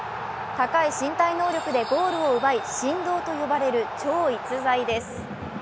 高い身体能力でゴールを奪い、神童と呼ばれる超逸材です。